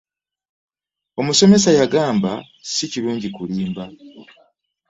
Omusomesa yagamba sikirungi kulimba.